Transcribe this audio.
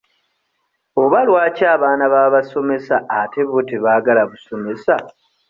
Oba lwaki abaana b'abasomesa ate bo tebaagala busomesa?